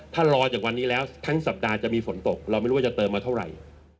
ถ้ารอจากวันนี้แล้วทั้งสัปดาห์จะมีฝนตกเราไม่รู้ว่าจะเติมมาเท่าไหร่